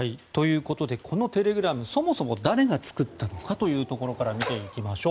このテレグラムそもそも誰が作ったのかというところから見ていきましょう。